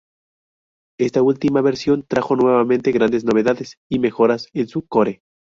Esta última versión trajo nuevamente grandes novedades y mejoras en su core.